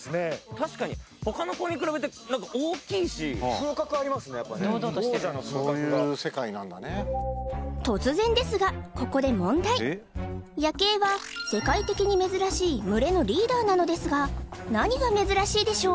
確かに他の子に比べて大きいし王者の風格が突然ですがここで問題ヤケイは世界的に珍しい群れのリーダーなのですが何が珍しいでしょう